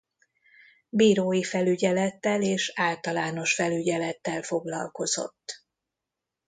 Bírói felügyelettel és általános felügyelettel foglalkozott.